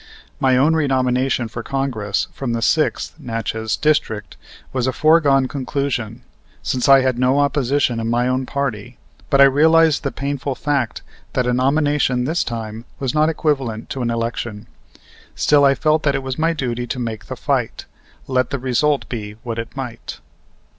My own renomination for Congress from the Sixth (Natchez) District was a foregone conclusion, since I had no opposition in my own party; but I realized the painful fact that a nomination this time was not equivalent to an election. Still, I felt that it was my duty to make the fight, let the result be what it might.